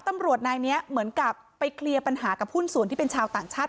ตำรวจนายนี้เหมือนกับไปเคลียร์ปัญหากับหุ้นส่วนที่เป็นชาวต่างชาติ